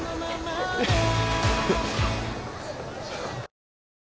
えっ！？